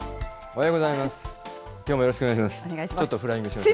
おはようございます。